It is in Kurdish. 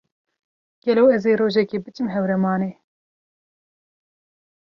Gelo ez ê rojekê biçim Hewramanê.